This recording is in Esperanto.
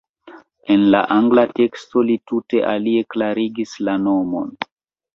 En la angla teksto li tute alie klarigis la nomon.